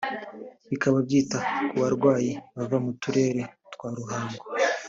Bikaba byita ku barwayi bava mu Turere twa Ruhango